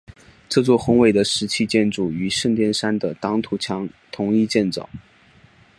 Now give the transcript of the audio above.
这座宏伟的石砌建筑与圣殿山的挡土墙一同建造。